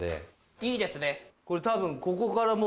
いいですね。